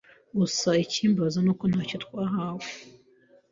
Gusa ikimbabaza ni uko ntacyo twahawe